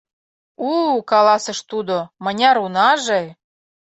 — У-у, — каласыш тудо, — мыняр унаже!